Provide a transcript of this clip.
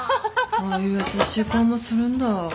ああいう優しい顔もするんだ。